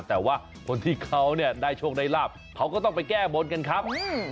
แต่ว่าคนที่เขาเนี่ยได้โชคได้ลาบเขาก็ต้องไปแก้บนกันครับ